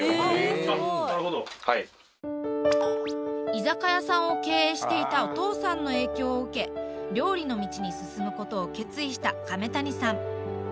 居酒屋さんを経営していたお父さんの影響を受け料理の道に進むことを決意した亀谷さん。